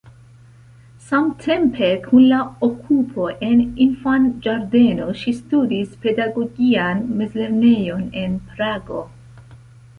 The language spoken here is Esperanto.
Samtempe kun la okupo en infanĝardeno ŝi studis pedagogian mezlernejon en Prago.